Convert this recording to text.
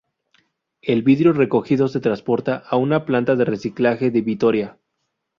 El vidrio recogido se transporta a una planta de reciclaje de Vitoria.